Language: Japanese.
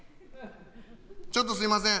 ちょっとすいません。